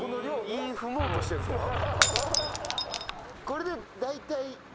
これで大体？